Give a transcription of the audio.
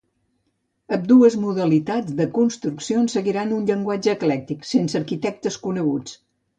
Ambdues modalitats de construccions seguiran un llenguatge eclèctic, sense arquitectes coneguts.